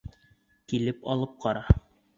— Килеп алып ҡара!